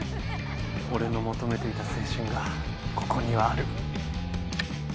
俺の求めていた青春がここにはある。